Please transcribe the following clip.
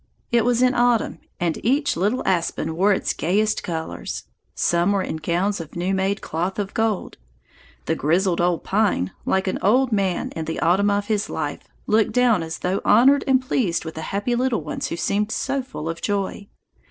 It was in autumn, and each little aspen wore its gayest colors. Some were in gowns of new made cloth of gold. The grizzled old pine, like an old man in the autumn of his life, looked down as though honored and pleased with the happy little ones who seemed so full of joy.